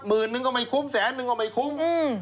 นึงก็ไม่คุ้มแสนนึงก็ไม่คุ้ม